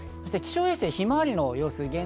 気象衛星ひまわりの様子。